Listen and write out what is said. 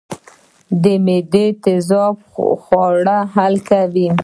د معدې تیزاب خواړه حل کوي